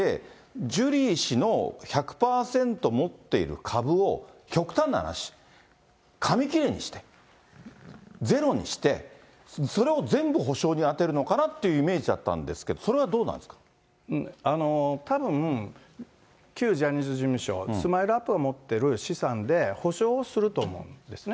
ジュリー氏の１００％持っている株を極端な話、紙切れにして、ゼロにして、それを全部補償にあてるのかなというイメージだったんですけど、たぶん、旧ジャニーズ事務所、スマイルアップが持ってる資産で、補償をすると思うんですね。